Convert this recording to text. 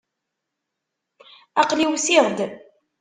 Aql-i usiɣ-d.